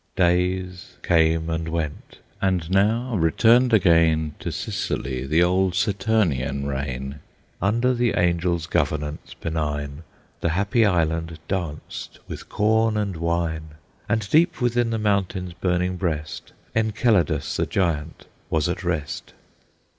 Days came and went; and now returned again To Sicily the old Saturnian reign; Under the Angel's governance benign The happy island danced with corn and wine, And deep within the mountain's burning breast Enceladus, the giant, was at rest.